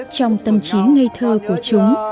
trong tâm trí ngây thơ của chúng